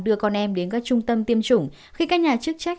đưa con em đến các trung tâm tiêm chủng khi các nhà chức trách